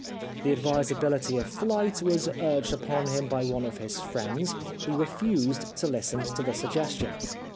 The advisability of flight was urged upon him by one of his friends. He refused to listen to the suggestion.